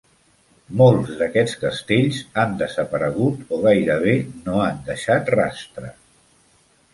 Molts d'aquests castells han desaparegut o gairebé no han deixat rastre.